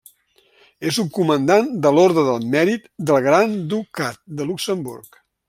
És un Comandant de l'Orde del Mèrit del Gran Ducat de Luxemburg.